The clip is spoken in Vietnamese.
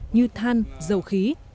như than dầu khí